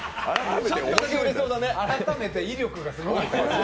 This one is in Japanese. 改めて威力がすごい。